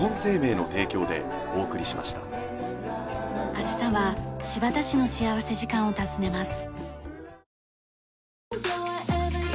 明日は新発田市の幸福時間を訪ねます。